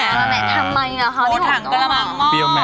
ทำไมล่ะโถ่ถังกระหลามักมาก